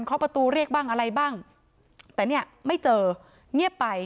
เขาประตูเรียกบ้างอะไรบ้างแต่เนี่ยไม่เจอเงียบไป